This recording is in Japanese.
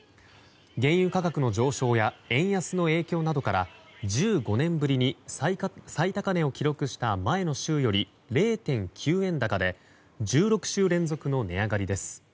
原油価格の上昇や円安の影響などから１５年ぶりに最高値を記録した前の週より０．９円高で１６週連続の値上がりです。